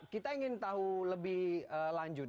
mungkin tahu lebih lanjut